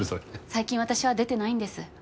最近私は出てないんです。